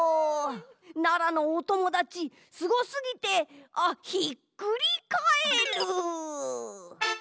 奈良のおともだちすごすぎてあっひっくりカエル！